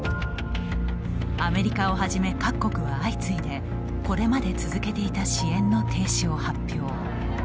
アメリカをはじめ各国は相次いでこれまで続けていた支援の停止を発表。